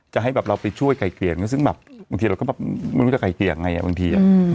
จะให้แบบเราไปช่วยไก่เกลี่ยซึ่งแบบบางทีเราก็แบบไม่รู้จะไกลเกลี่ยยังไงบางที